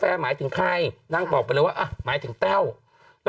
เอาอีกแล้วหรอ